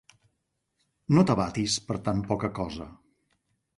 No t'abatis per tan poca cosa.